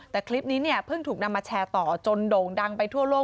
แต่คลิปนี้เนี่ยเพิ่งถูกนำมาแชร์ต่อจนโด่งดังไปทั่วโลก